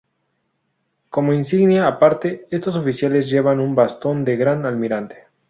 Como insignia aparte, estos oficiales llevaban un Bastón de Gran Almirante.